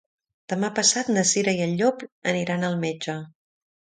Demà passat na Cira i en Llop aniran al metge.